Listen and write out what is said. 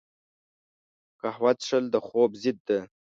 قهوه څښل د خوب ضد ده